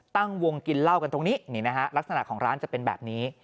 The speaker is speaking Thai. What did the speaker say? ตั้งวงกินเหล้ากันตรงนี้นี่นะฮะลักษณะของร้านจะเป็นแบบนี้